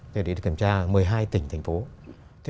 thì để kiểm tra một mươi hai tỉnh thành phố